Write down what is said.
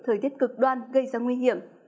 thời tiết cực đoan gây ra nguy hiểm